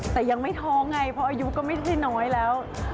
แต่ยังไม่ท้องไงเพราะอายุก็ไม่ได้น้อยแล้ว